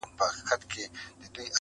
په لس هاوو یې لیدلي وه ښارونه!